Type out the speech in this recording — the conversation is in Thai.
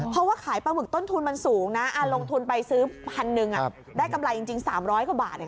เพราะว่าขายปลาหมึกต้นทุนมันสูงนะลงทุนไปซื้อพันหนึ่งได้กำไรจริง๓๐๐กว่าบาท